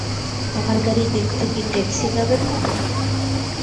আমার গাড়ি দেখতে কি ট্যাক্সি ক্যাবের মত?